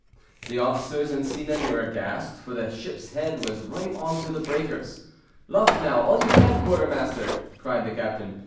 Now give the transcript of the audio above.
The officers and seamen were aghast, for the ship's head was right on to the breakers. "Luff now, all you can, quartermaster," cried the captain.